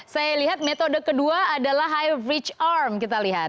saya lihat metode kedua adalah high reach arm kita lihat